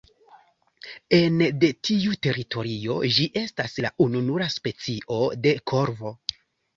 Ene de tiu teritorio ĝi estas la ununura specio de korvo.